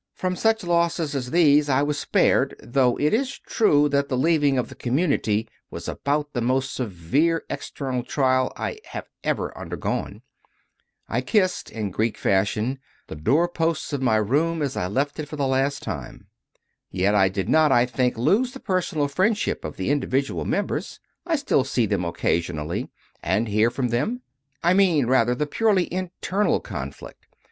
From such losses as these I was spared, though it is true that the leaving of the Community was about the most severe external trial I have ever undergone I kissed, in Greek fashion, the doorposts of my room as I left it for the last time; yet I did not, I think, lose the personal friendship of the individual mem bers; I still see them occasionally and hear from them. I mean rather the purely internal conflict.